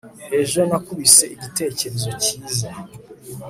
ejo nakubise igitekerezo cyiza